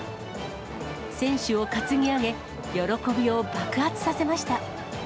選手を担ぎ上げ、喜びを爆発させました。